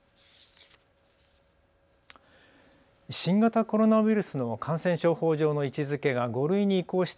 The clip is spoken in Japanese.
新型コロナウイルスの感染症法上の位置づけが５類に移行した